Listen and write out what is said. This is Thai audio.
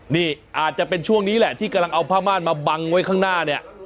นี่อาจจะเป็นช่วงนี้แหละที่กำลังเอาผ้าม่านมาบังไว้ข้างหน้าเนี่ย